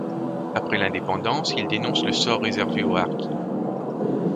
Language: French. Après l'indépendance, il dénonce le sort réservé aux Harkis.